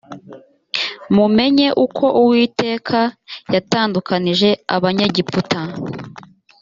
mumenye uko uwiteka yatandukanije abanyegiputa